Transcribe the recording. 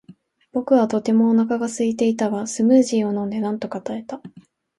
僕はとてもお腹がすいていたが、スムージーを飲んでなんとか耐えた。